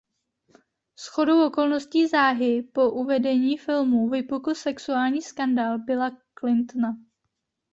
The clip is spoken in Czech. Shodou okolností záhy po uvedení filmu vypukl sexuální skandál Billa Clintona.